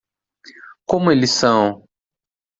Como eles são?